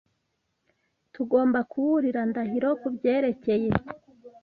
Tugomba kuburira Ndahiro kubyerekeye.